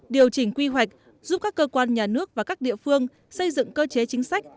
điều chỉnh quy hoạch giúp các cơ quan nhà nước và các địa phương xây dựng cơ chế chính sách